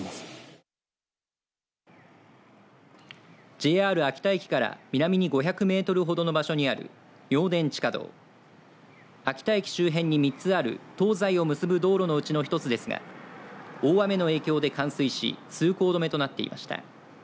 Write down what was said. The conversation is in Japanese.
ＪＲ秋田駅から南に５００メートルほどの場所にある明田地下道秋田駅周辺に３つある東西を結ぶ道路のうちの一つですが大雨の影響で冠水し通行止めとなっていました。